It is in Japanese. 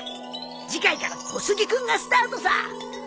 次回から『小杉君』がスタートさ。